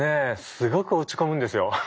すごく落ち込むんですよ。